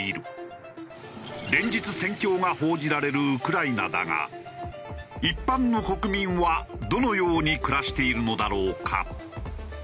連日戦況が報じられるウクライナだが一般の国民はどのように暮らしているのだろうか？